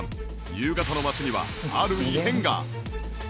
夕方の街にはある異変が！